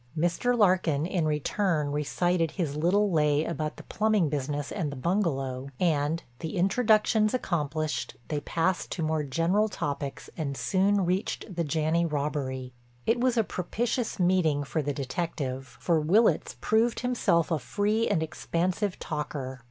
Mr. Larkin in return recited his little lay about the plumbing business and the bungalow, and, the introductions accomplished, they passed to more general topics and soon reached the Janney robbery. It was a propitious meeting for the detective, for Willitts proved himself a free and expansive talker.